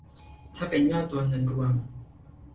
ถ้าเป็นยอดตัวเงินรวม